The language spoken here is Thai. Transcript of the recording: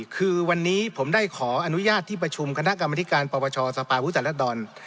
คือวันนี้ผมได้ขออนุญาตที่ประชุมคณะกรรมธิการปปชสภาพุทธรัศดร